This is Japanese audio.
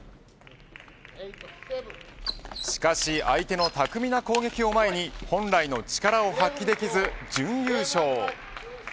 しかし、相手の巧みな攻撃を前に本来の力を発揮できず準優勝。